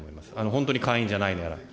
本当に会員じゃないなら。